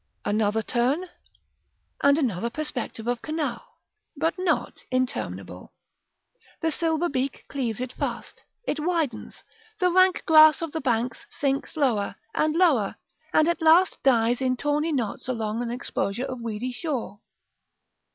Another turn, and another perspective of canal; but not interminable. The silver beak cleaves it fast, it widens: the rank grass of the banks sinks lower, and lower, and at last dies in tawny knots along an expanse of weedy shore.